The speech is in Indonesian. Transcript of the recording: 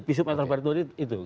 pisum atau per itu